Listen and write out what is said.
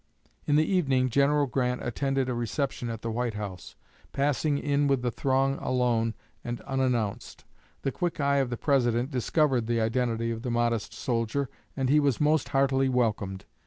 In the evening General Grant attended a reception at the White House, passing in with the throng alone and unannounced. The quick eye of the President discovered the identity of the modest soldier, and he was most heartily welcomed.